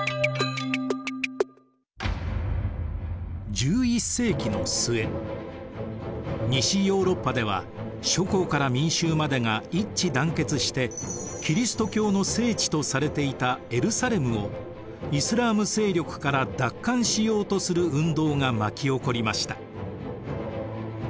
１１世紀の末西ヨーロッパでは諸侯から民衆までが一致団結してキリスト教の聖地とされていたエルサレムをイスラーム勢力から奪還しようとする運動が巻き起こりました。